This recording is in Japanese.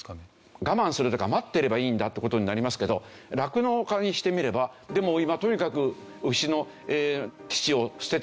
我慢すれば待っていればいいんだって事になりますけど酪農家にしてみればでも今とにかく牛の乳を捨てていくわけでしょ。